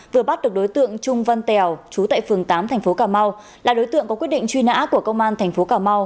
vừa bắt được đối tượng trung văn tèo chú tại phường tám tp cà mau là đối tượng có quyết định truy nã của công an tp cà mau